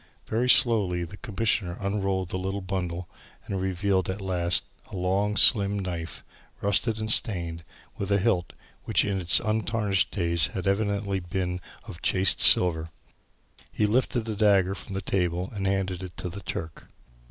Very slowly the Commissioner unrolled the little bundle and revealed at last a long, slim knife, rusted and stained, with a hilt, which in its untarnished days had evidently been of chased silver. He lifted the dagger from the table and handed it to the Turk.